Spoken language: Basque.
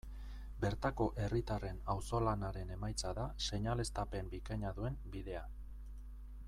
Bertako herritarren auzolanaren emaitza da seinaleztapen bikaina duen bidea.